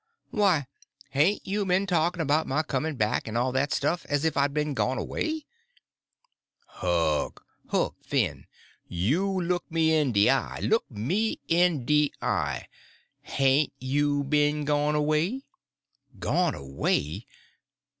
Why, hain't you been talking about my coming back, and all that stuff, as if I'd been gone away?" "Huck—Huck Finn, you look me in de eye; look me in de eye. Hain't you ben gone away?" "Gone away?